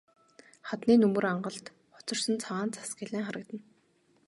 Хадны нөмөр ангалд хоцорсон цагаан цас гялайн харагдана.